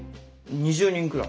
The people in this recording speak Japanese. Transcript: ２０人くらい。